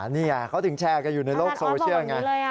นี่ไงเขาถึงแชร์กันอยู่ในโลกโซเชียลไง